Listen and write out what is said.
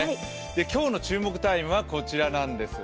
今日の注目タイムはこちらなんです。